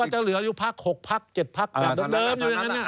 ก็จะเหลืออยู่ปัก๖ปัก๗ปักเช่นเดิม